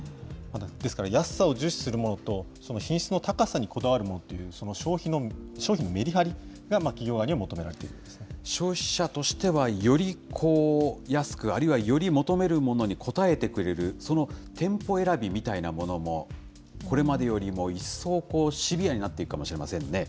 ですから、安さを重視するものと、その品質の高さにこだわるものという、消費のメリハリが企業側に消費者としては、より安く、あるいはより求めるものに応えてくれる、その店舗選びみたいなものも、これまでよりも一層シビアになっていくかもしれませんね。